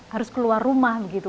harus keluar rumah gitu